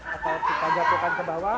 atau kita jatuhkan kebawah